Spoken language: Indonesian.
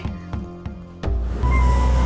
saya t bingung pah